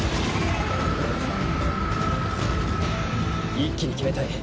一気に決めたい。